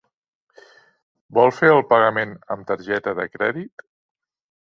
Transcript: Vol fer el pagament amb targeta de crèdit?